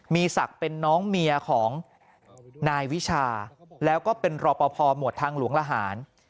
มีศักดิ์เป็นน้องเมียของนายวิชาแล้วก็เป็นรอปภหมวดทางหลวงละหาร